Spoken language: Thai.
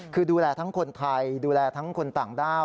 คือดูแลทั้งคนไทยดูแลทั้งคนต่างด้าว